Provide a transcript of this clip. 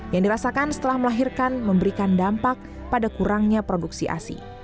yang dirasakan setelah melahirkan memberikan dampak pada kurangnya produksi asi